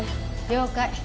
了解。